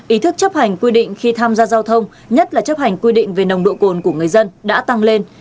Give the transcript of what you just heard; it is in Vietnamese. ý thức chấp hành quy định khi tham gia giao thông nhất là chấp hành quy định về nồng độ cồn của người dân đã tăng lên